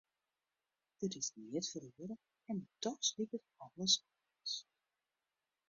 Der is neat feroare en dochs liket alles oars.